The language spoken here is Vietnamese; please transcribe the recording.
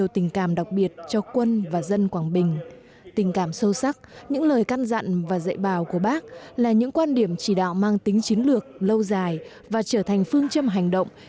tỉnh quảng bình là một địa điểm chỉ đạo mang tính chiến lược lâu dài và trở thành phương châm hành động